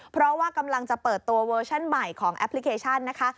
เพราะว่ากำลังจะเปิดตัวเวอร์ชั่นใหม่ของแอปพลิเคชันนะคะ